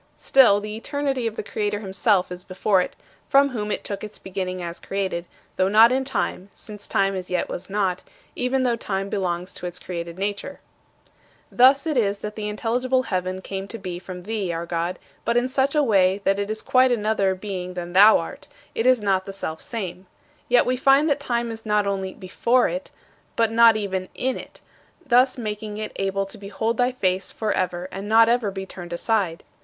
Still, the eternity of the Creator himself is before it, from whom it took its beginning as created, though not in time (since time as yet was not), even though time belongs to its created nature. 21. Thus it is that the intelligible heaven came to be from thee, our God, but in such a way that it is quite another being than thou art; it is not the Selfsame. Yet we find that time is not only not before it, but not even in it, thus making it able to behold thy face forever and not ever be turned aside.